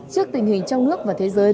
trước tình hình trong nước và thế giới